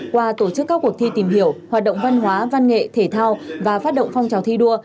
qua tổ chức các cuộc thi tìm hiểu hoạt động văn hóa văn nghệ thể thao và phát động phong trào thi đua